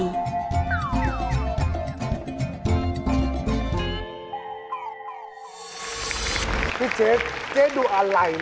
รายการต่อไปนี้เป็นรายการทั่วไปสามารถรับชมได้ทุกวัย